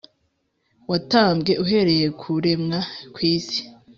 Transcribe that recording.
watambwe uhereye ku kuremwa kw’isi.